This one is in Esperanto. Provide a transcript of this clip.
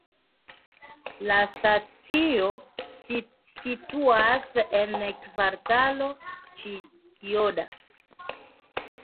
La stacio situas en Kvartalo Ĉijoda.